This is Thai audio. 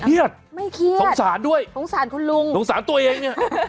ไม่เครียดสงสารด้วยสงสารคุณลุงสงสารตัวเองเนี่ย